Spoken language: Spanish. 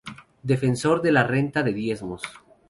Defensor de la Renta de Diezmos.